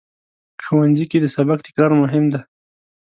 ښوونځی کې د سبق تکرار مهم دی